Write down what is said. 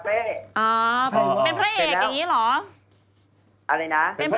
ถึงเกาะอายุมาคะ